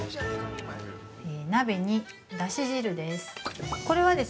◆鍋に、だし汁です。